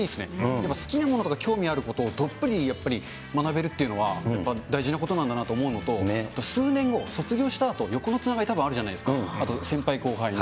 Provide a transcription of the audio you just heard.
やっぱり好きなものとか、興味あることどっぷりやっぱり学べるというのは、大事なことなんだなって思うのと、数年後、卒業したあと、横のつながりたぶんあるじゃないですか、先輩後輩の。